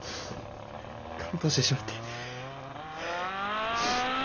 感動してしまって。